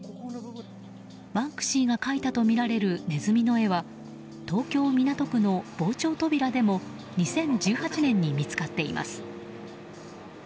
バンクシーが描いたとみられるネズミの絵は東京・港区の防潮扉でも２０１８年に見つかっています。